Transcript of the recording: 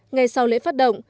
ngày sau lễ phát động